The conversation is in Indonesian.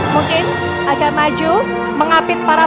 mungkin agak maju mengapit para